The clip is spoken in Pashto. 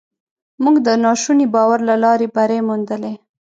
موږ د ناشوني باور له لارې بری موندلی.